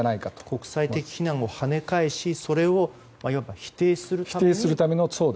国際的非難を跳ね返しそれを否定するために？